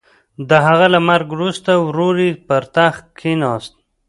د هغه له مرګ وروسته ورور یې پر تخت کېناست.